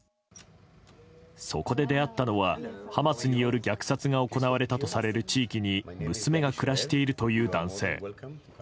そこで出会ったのはハマスによる虐殺が行われたとされる地域に娘が暮らしているという男性。